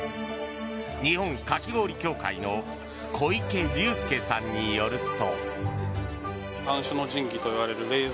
日本かき氷協会の小池隆介さんによると。